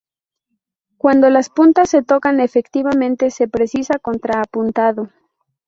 Cuando las puntas se tocan efectivamente, se precisa contra-apuntado.